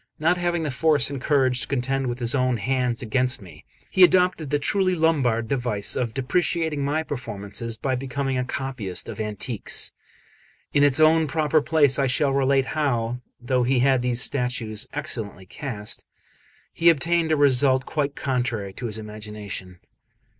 Not having the force and courage to contend with his own hands against me, he adopted the truly Lombard device of depreciating my performances by becoming a copyist of antiques. In its own proper place I shall relate how, though he had these statues excellently cast, he obtained a result quite contrary to his imagination.